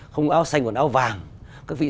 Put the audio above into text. không có áo xanh còn áo vàng các vị